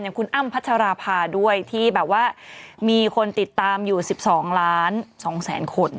คุณอ้ำพัชราภาด้วยที่แบบว่ามีคนติดตามอยู่๑๒ล้าน๒แสนคน